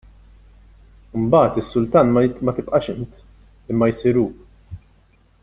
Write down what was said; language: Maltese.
U mbagħad is-sultan ma tibqax int imma jsir Hu.